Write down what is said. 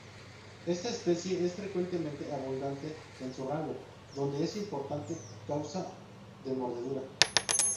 Esta especie es frecuentemente abundante en su rango, donde es importante causa de mordedura.